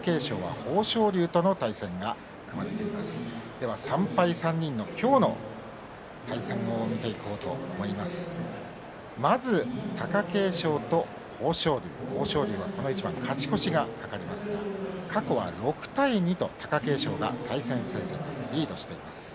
豊昇龍はこの一番勝ち越しが懸かりますが過去は６対２と貴景勝が対戦成績リードしています。